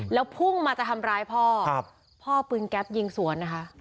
แล้วพุ่งมาจะทำร้ายพ่อพ่อปืนแก๊ปยิงสวนนะคะ